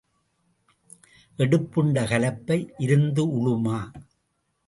எடுப்புண்ட கலப்பை இருந்து உழுமா?